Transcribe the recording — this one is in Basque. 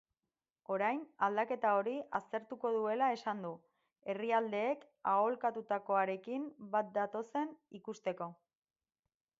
Orain aldaketa hori aztertuko duela esan du, herrialdeek aholkatutakoarekin bat datozen ikusteko.